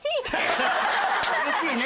うれしいね。